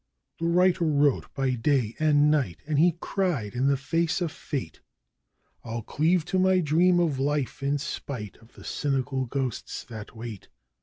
The writer wrote by day and night and he cried in the face of Fate I'll cleave to my dream of life in spite of the cynical ghosts that wait.